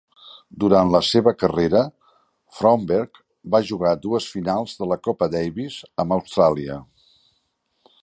Durant la seva carrera, Fromberg va jugar dues finals de la Copa Davis amb Austràlia.